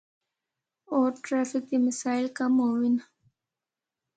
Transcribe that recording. ہور ٹریفک دے مسائل کم ہون۔